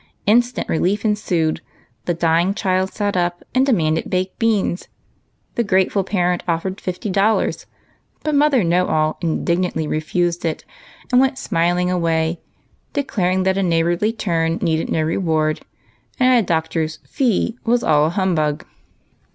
Instant relief ensued, the dying child sat up 158 EIGHT COUSINS. and demanded baked beans, the grateful parent offered fifty dollars ; but Mother Know all indignantly refused it and went smiling away, declaring that a neighborly turn needed no reward, and a doctor's fee was all a humbug.